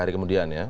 tiga hari kemudian ya